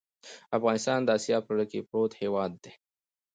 افغانستان د آسیا په زړه کې پروت هېواد دی.